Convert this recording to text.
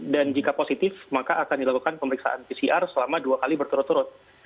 dan jika positif maka akan dilakukan pemeriksaan pcr selama dua kali berturut turut